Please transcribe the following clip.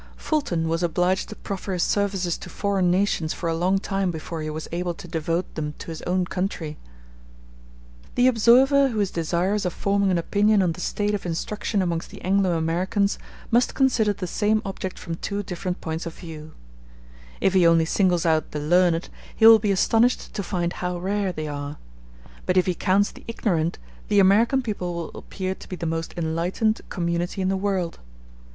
Fulton was obliged to proffer his services to foreign nations for a long time before he was able to devote them to his own country. h [ [This cannot be said with truth of the country of Kent, Story, and Wheaton.]] The observer who is desirous of forming an opinion on the state of instruction amongst the Anglo Americans must consider the same object from two different points of view. If he only singles out the learned, he will be astonished to find how rare they are; but if he counts the ignorant, the American people will appear to be the most enlightened community in the world.